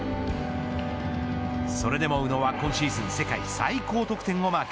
それでも宇野は今シーズン世界最高得点をマーク。